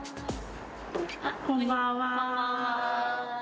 こんばんは。